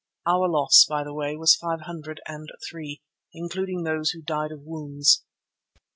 Our loss, by the way, was five hundred and three, including those who died of wounds.